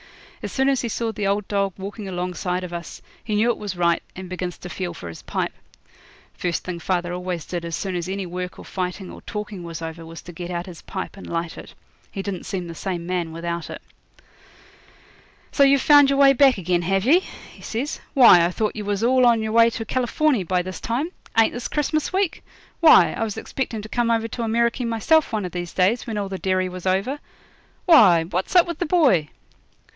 As soon as he saw the old dog walking alongside of us he knew it was right, and begins to feel for his pipe. First thing father always did as soon as any work or fighting or talking was over was to get out his pipe and light it. He didn't seem the same man without it. 'So you've found your way back again, have ye?' he says. 'Why, I thought you was all on your way to Californy by this time. Ain't this Christmas week? Why, I was expecting to come over to Ameriky myself one of these days, when all the derry was over Why, what's up with the boy?'